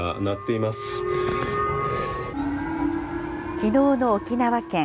きのうの沖縄県。